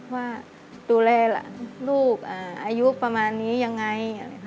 ว่าดูแลลูกอายุประมาณนี้อย่างไร